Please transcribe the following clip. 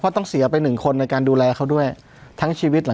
เพราะต้องเสียไป๑คนในการดูแลเขาด้วยทั้งชีวิต